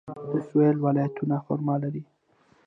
د سویل ولایتونه خرما لري.